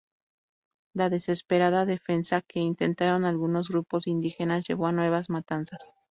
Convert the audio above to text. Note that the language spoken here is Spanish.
La desesperada defensa que intentaron algunos grupos indígenas llevó a nuevas matanzas.